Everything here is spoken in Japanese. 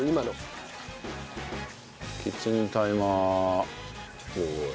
キッチンタイマーボーイ。